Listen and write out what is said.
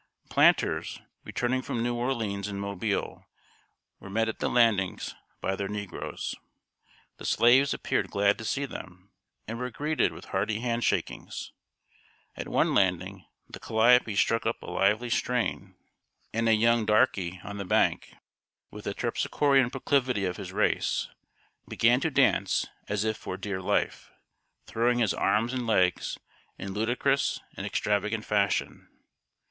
] Planters, returning from New Orleans and Mobile, were met at the landings by their negroes. The slaves appeared glad to see them, and were greeted with hearty hand shakings. At one landing the calliope struck up a lively strain, and a young darkey on the bank, with the Terpsichorean proclivity of his race, began to dance as if for dear life, throwing his arms and legs in ludicrous and extravagant fashion.